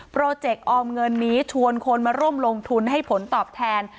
โปรเจกต์ออมเงินนี้ชวนคนมาร่มลงทุนให้ผลตอบแทน๙๓